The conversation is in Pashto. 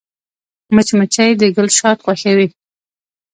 مچمچۍ د ګل شات خوښوي